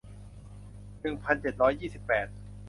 หนึ่งพันเจ็ดร้อยยี่สิบแปด